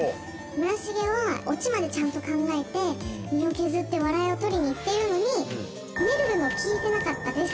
「村重はオチまでちゃんと考えて身を削って笑いを取りにいっているのにめるるの“聞いてなかったです”